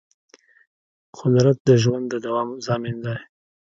قدرت د ژوند د دوام ضامن دی.